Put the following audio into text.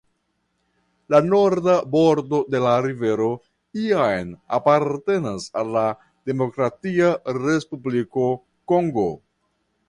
La norda bordo de la rivero jam apartenas al la Demokratia Respubliko Kongo.